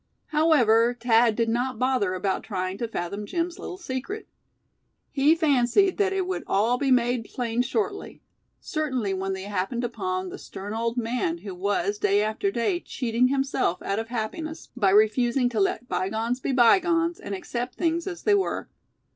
However, Thad did not bother about trying to fathom Jim's little secret. He fancied that it would all be made plain shortly; certainly when they happened upon the stern old man who was day after day cheating himself out of happiness, by refusing to let bygones be bygones, and accept things as they were.